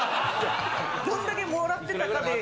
どんだけもらってたかで。